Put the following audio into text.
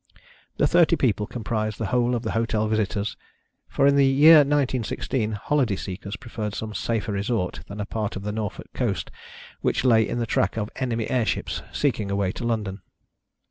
The thirty people comprised the whole of the hotel visitors, for in the year 1916 holiday seekers preferred some safer resort than a part of the Norfolk coast which lay in the track of enemy airships seeking a way to London.